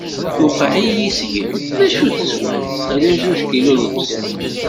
Tuqeɛ-iyi seg-m! D acu teswiḍ, ala juǧ kilu n lebṣel.